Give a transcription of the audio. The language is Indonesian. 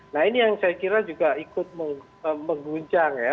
nah ini yang saya kira juga ikut mengguncang ya